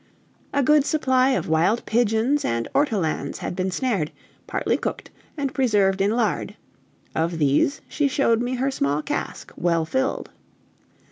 A good supply of wild pigeons and ortolans had been snared, partly cooked, and preserved in lard. Of these she showed me her small cask well filled.